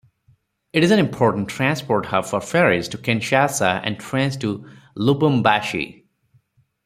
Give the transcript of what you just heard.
It is an important transport hub for ferries to Kinshasa and trains to Lubumbashi.